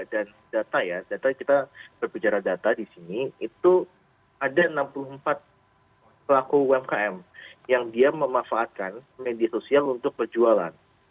dan data ya data kita berbicara data di sini itu ada enam puluh empat pelaku umkm yang dia memanfaatkan media sosial untuk perjualan